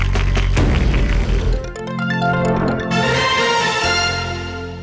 โปรดติดตามตอนต่อไป